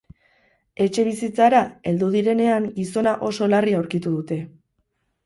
Etxebizitzara heldu direnean gizona oso larri aurkitu dute.